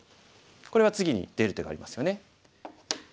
これは次に出る手がありますよね。